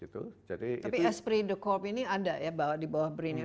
tapi esprit de corps ini ada ya di bawah brain nya